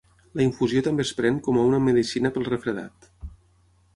La infusió també es pren com a una medicina pel refredat.